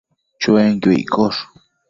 Chuenquio iccosh